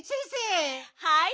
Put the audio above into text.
はい。